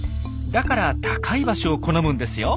だから高い場所を好むんですよ。